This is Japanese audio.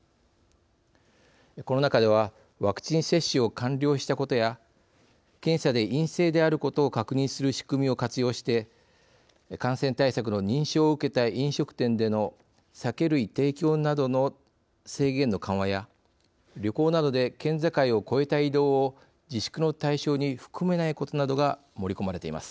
この中ではワクチン接種を完了したことや検査で陰性であることを確認する仕組みを活用して感染対策の認証を受けた飲食店での酒類提供などの制限の緩和や旅行などで県境を越えた移動を自粛の対象に含めないことなどが盛り込まれています。